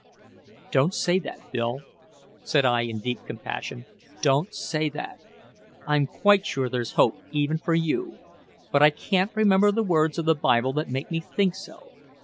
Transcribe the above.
"Don't say that, Bill," said I in deep compassion; "don't say that. I'm quite sure there's hope even for you, but I can't remember the words of the Bible that make me think so.